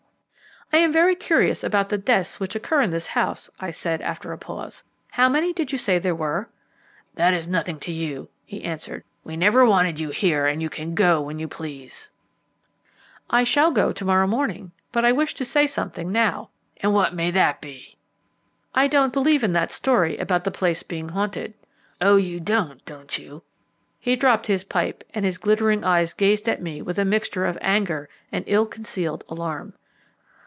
"I am very curious about the deaths which occur in this house," I said, after a pause. "How many did you say there were?" "That is nothing to you," he answered. "We never wanted you here; you can go when you please." "I shall go to morrow morning, but I wish to say something now." "And what may that be?" "I don't believe in that story about the place being haunted." "Oh, you don't, don't you?" He dropped his pipe, and his glittering eyes gazed at me with a mixture of anger and ill concealed alarm.